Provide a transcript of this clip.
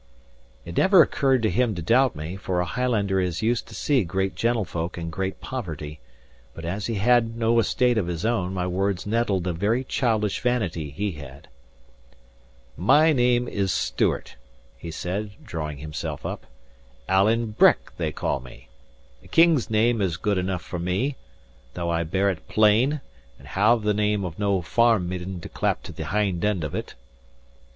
It never occurred to him to doubt me, for a Highlander is used to see great gentlefolk in great poverty; but as he had no estate of his own, my words nettled a very childish vanity he had. "My name is Stewart," he said, drawing himself up. "Alan Breck, they call me. A king's name is good enough for me, though I bear it plain and have the name of no farm midden to clap to the hind end of it."